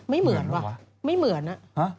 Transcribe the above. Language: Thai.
ไม่เหมือนอะ